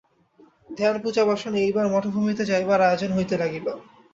ধ্যানপূজাবসানে এইবার মঠভূমিতে যাইবার আয়োজন হইতে লাগিল।